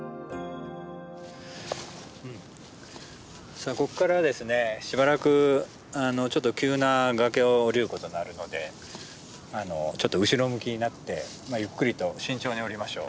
さあここからですねしばらくちょっと急な崖を下りることになるのでちょっと後ろ向きになってゆっくりと慎重に下りましょう。